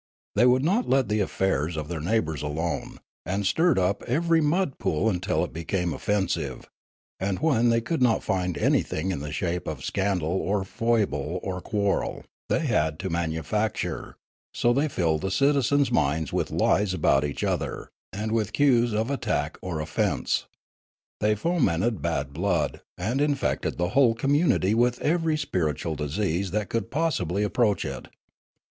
They would not let the affairs of their 237 238 Riallaro neighbours alone, and stirred up every mud pool until it became offensive ; and, when they could not find anything in the shape of scandal or foible or quarrel, they had to manufacture ; so they filled the citizens' minds with lies about each other, and with cues of at tack or offence. They fomented bad blood, and in fected the whole community with every spiritual disease that could possibly approach it.